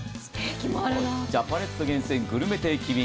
ジャパネット厳選グルメ定期便。